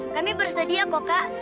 kami bersedia kok kak